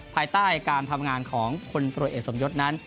ภายใต้การทำงานของคนตรวจเอกสมยศนั้น